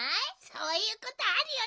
そういうことあるよね。